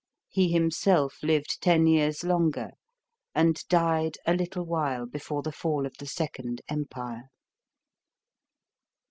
He himself lived ten years longer, and died a little while before the fall of the Second Empire.